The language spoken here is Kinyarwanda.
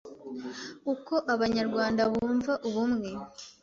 Uko abanyarwanda bumva ubumwe